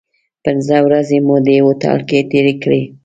پنځه ورځې مو په دې هوټل کې تیرې کړې.